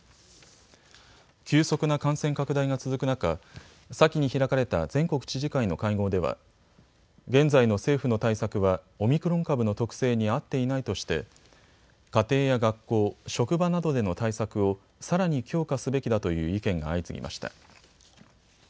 急速な感染拡大が続く中、先に開かれた全国知事会の会合では現在の政府の対策はオミクロン株の特性に合っていないとして家庭や学校、職場などでの対策をさらに強化すべきだという意見が相次ぎました。